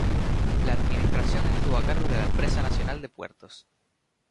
La administración estuvo a cargo de la Empresa Nacional de Puertos.